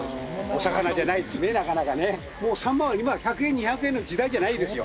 もうサンマは今１００円２００円の時代じゃないですよ。